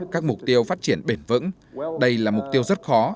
các mục tiêu phát triển bền vững đây là mục tiêu rất khó